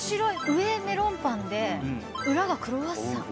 上メロンパンで裏がクロワッサン。